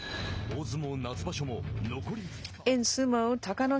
大相撲夏場所も、残り２日。